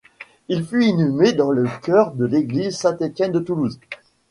Il fut inhumé dans le chœur de l'église St Étienne de Toulouse.